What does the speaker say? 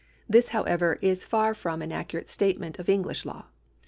^ This, how ever, is far from an accurate statement of English law.